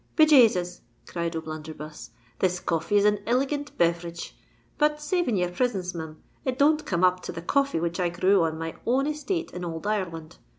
"Be Jasus!" cried O'Blunderbuss; "this coffee is an iligant beverage! But, saving your prisence, Mim, it don't come up to the coffee which I grew on my own estate in ould Ireland.